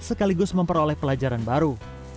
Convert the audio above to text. sekaligus memperoleh pelajaran baru